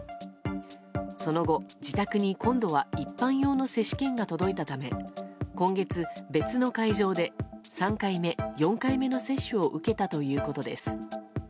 その後、自宅に今度は一般用の接種券が届いたため今月、別の会場で３回目、４回目の接種を受けたということです。